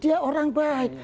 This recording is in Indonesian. dia orang baik